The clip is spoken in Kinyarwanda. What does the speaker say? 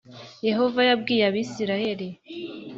Yehova yabwiye Abisirayeli.